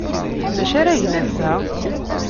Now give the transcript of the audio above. D acu ara gen ass-a?